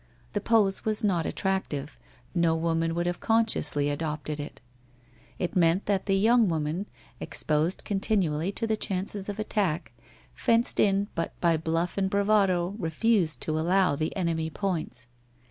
The pose was not attractive ; no woman would have consciously adopted it. It meant that the young woman, exposed continually to the chances of attack, fenced in but by bluff and bravado, refused to allow the enemy points.